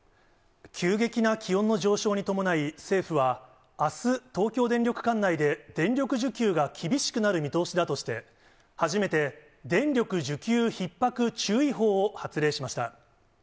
急激な気温の上昇に伴い、政府は、あす、東京電力管内で電力需給が厳しくなる見通しだとして、初めて電力需給ひっ迫注意報を発令しました。